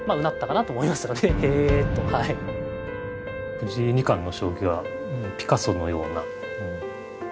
藤井二冠の将棋はピカソのような感じ。